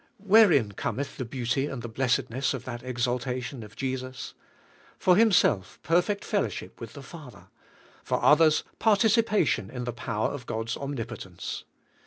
Wherein cometh the beauty and the blessedness of that exaltation of Jesus? For Himself perfect fellowship with the Father; for others participation in the power of God's omnipotence.